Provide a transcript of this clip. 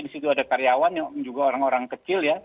di situ ada karyawan juga orang orang kecil